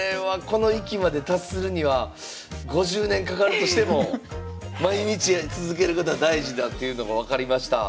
この域まで達するには５０年かかるとしても毎日続けることが大事だっていうのが分かりました。